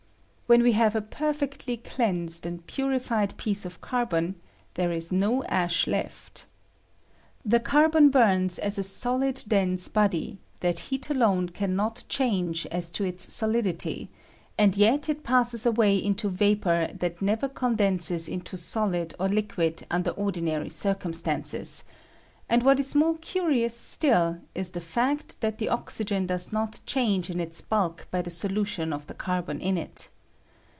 When we have a perfectly cleansed and purified r I 160 ANALYSIS OF CAItBONIC ACID. piece of carbon, there is no ash. left. The car boy liuma as a. solid dense body, that heat alone can. not change as to its solidity, and yet it passes away into vapor that never condenses into EoHd or liquid under ordinary eircum Btancea ; and what ia more curious still 13 the fact tliat the oxygen does not change in its bulk by the solution of the carbon iu it.